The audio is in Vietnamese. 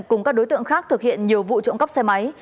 cùng các đối tượng khác thực hiện nhiều vụ trộm cắp xe máy